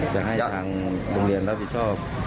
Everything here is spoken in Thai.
จะให้ทางโรงเรียนรับผิดชอบ